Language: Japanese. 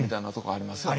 あります。